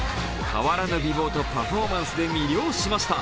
変わらぬ美貌とパフォーマンスで魅了しました。